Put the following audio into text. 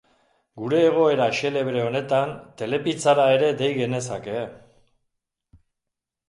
Gure egoera xelebre honetan Telepizzara ere dei genezake...